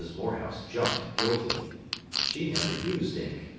Morehouse jumped, guiltily. She never used ink.